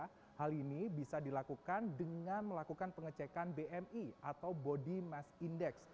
hal ini bisa dilakukan dengan melakukan pengecekan bmi atau body mass index